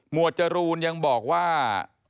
วดจรูนยังบอกว่า